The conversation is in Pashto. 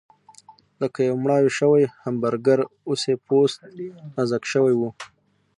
لکه یو مړاوی شوی همبرګر، اوس یې پوست نازک شوی و.